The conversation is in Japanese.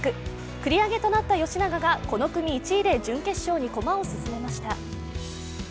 繰り上げとなった吉永がこの組１位で準決勝に駒を進めました。